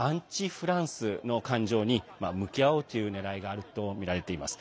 フランスの感情に向き合おうというねらいがあるとみられています。